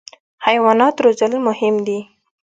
حیوانات روزل مهم دي.